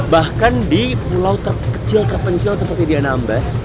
bahkan di pulau terkecil terpencil seperti di anambas